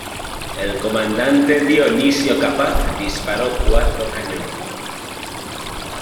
El comandante Dionisio Capaz disparó cuatro cañonazos.